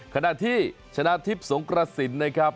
ขณะที่ชนะทิพย์สงกระสินนะครับ